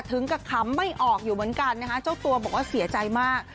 ถึงกับขำไม่ออกอยู่เหมือนกันนะคะเจ้าตัวบอกว่าเสียใจมาก